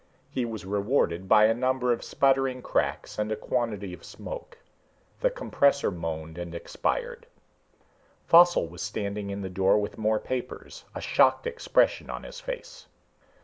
He was rewarded by a number of sputtering cracks and a quantity of smoke. The compressor moaned and expired. Faussel was standing in the door with more papers, a shocked expression on his face.